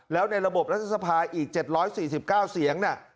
แล้วในระบบรัฐสภาอีก๗๔๙เสียง